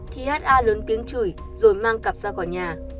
thì ha lớn tiếng chửi rồi mang cặp ra khỏi nhà